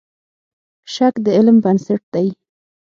شک د علم بنسټ دی.